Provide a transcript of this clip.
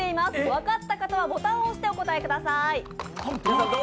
分かった方はボタンを押してお答えください。